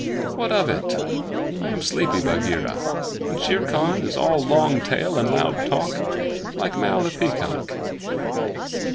"What of it? I am sleepy, Bagheera, and Shere Khan is all long tail and loud talk like Mao, the Peacock."